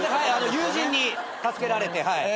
友人に助けられて。